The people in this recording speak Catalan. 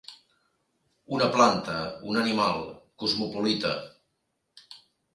Una planta, un animal, cosmopolita.